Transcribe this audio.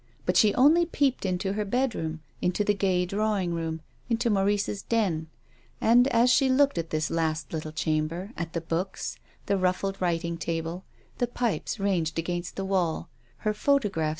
But she only peeped into her bedroom, into the gay drawing room, into Maurice's den. And as she looked at this last little chamber, at the books, the ruffled writing table, the pipes ranged against the wall, her photograph